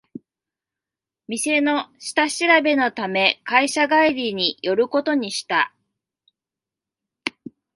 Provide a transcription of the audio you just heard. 店の下調べのため会社帰りに寄ることにした